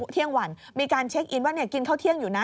เที่ยงวันมีการเช็คอินว่ากินข้าวเที่ยงอยู่นะ